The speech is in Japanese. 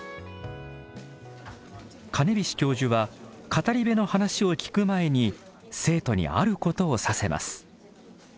金菱教授は語り部の話を聞く前に生徒にあることをさせます。